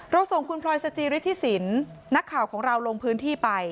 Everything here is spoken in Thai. เราส่งคุณพรอยซาจีริทธิศิลป์นักข่าวของเราลงพื้นที่ไป